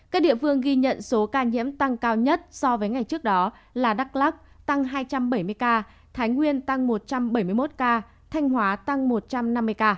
các địa phương ghi nhận số ca nhiễm tăng cao nhất so với ngày trước đó là đắk lắc tăng hai trăm bảy mươi ca thái nguyên tăng một trăm bảy mươi một ca thanh hóa tăng một trăm năm mươi ca